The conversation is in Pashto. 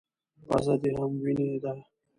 _پزه دې هم وينې ده.